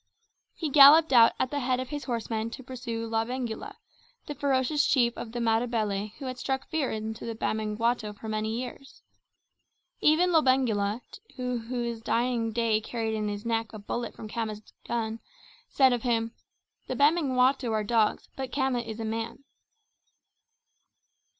He galloped out at the head of his horsemen to pursue Lobengula, the ferocious chief of the Matabele who had struck fear into the Bamangwato for many years. Even Lobengula, who to his dying day carried in his neck a bullet from Khama's gun, said of him, "The Bamangwato are dogs, but Khama is a man."